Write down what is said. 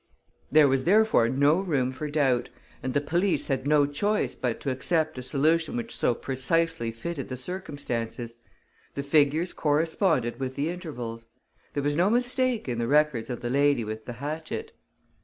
There was therefore no room for doubt; and the police had no choice but to accept a solution which so precisely fitted the circumstances: the figures corresponded with the intervals. There was no mistake in the records of the lady with the hatchet.